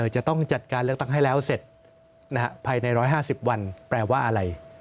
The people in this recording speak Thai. จะต้องจัดการเลือกตั้งให้แล้วเสร็จภายใน๑๕๐วันแปลว่าอะไร